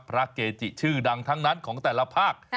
เกจิชื่อดังทั้งนั้นของแต่ละภาค